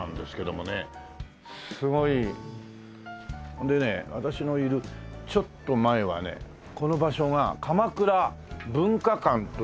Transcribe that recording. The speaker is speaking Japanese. それでね私のいるちょっと前はねこの場所が鎌倉文華館という。